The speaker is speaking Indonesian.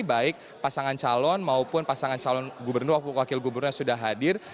baik pasangan calon maupun pasangan calon gubernur wakil gubernur yang sudah hadir